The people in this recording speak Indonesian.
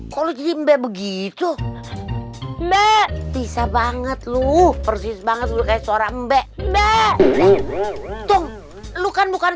kalau cinta begitu me bisa banget lu persis banget lu kayak suara mbak mbak lu kan bukan